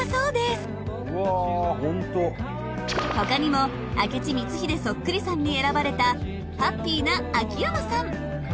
他にも明智光秀そっくりさんに選ばれたハッピーな秋山さん